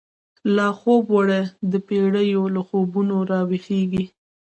لا خوب وړی دپیړیو، له خوبونو را وښیږیږی